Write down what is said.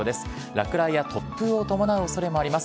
落雷や突風を伴うおそれがあります。